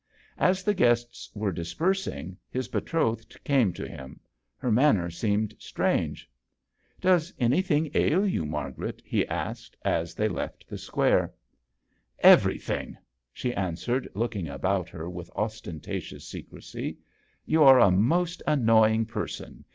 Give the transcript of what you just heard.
As the guests were dispersing, his betrothed came to him. Her manner seemed strange. " Does anything ail you, Mar garet ?" he asked, as they left the Square. JOHN SHERMAN. 73 " Everything," she answered, looking about her with osten tatious secrecy. "You are a most annoying person.